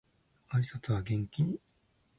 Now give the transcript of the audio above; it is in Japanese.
挨拶は元気に